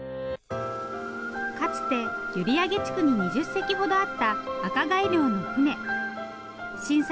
かつて閖上地区に２０隻ほどあった赤貝漁の船。